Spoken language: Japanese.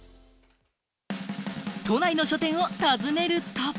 都内の書店を訪ねると。